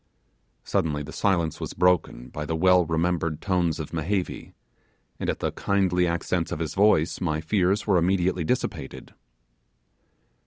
Suddenly the silence was broken by the well remembered tones of Mehevi, and at the kindly accents of his voice my fears were immediately dissipated.